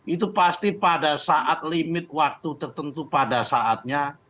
itu pasti pada saat limit waktu tertentu pada saatnya